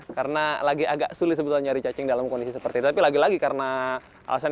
karena lagi agak sulit sebetulnya dari cacing dalam kondisi seperti tapi lagi lagi karena alasan